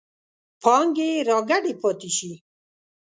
پانګې راکدې پاتې شي.